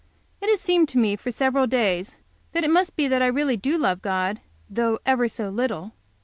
It has seemed to me for several days that it must be that I really do love God, though ever so little.